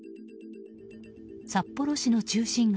札幌市の中心街